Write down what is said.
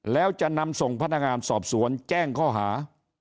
แล้วจะนำส่งพนักงานสอบสวนแจ้งข้อหา